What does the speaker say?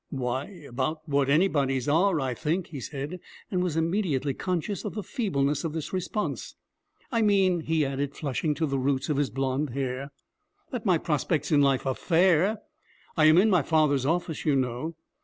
'Why, about what anybody's are, I think,' he said, and was immediately conscious of the feebleness of this response. 'I mean,' he added, flushing to the roots of his blond hair, 'that my prospects in life are fair. I am in my father's office, you know.